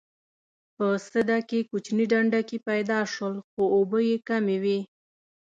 په سده کې کوچني ډنډکي پیدا شول خو اوبه یې کمې وې.